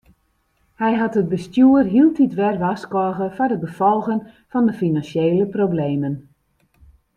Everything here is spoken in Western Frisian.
Hy hat it bestjoer hieltyd wer warskôge foar de gefolgen fan de finansjele problemen.